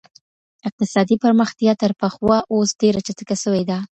اقتصادي پرمختيا تر پخوا اوس ډېره چټکه سوې ده.